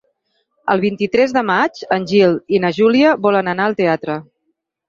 El vint-i-tres de maig en Gil i na Júlia volen anar al teatre.